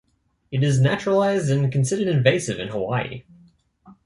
It is naturalised and considered invasive in Hawaii.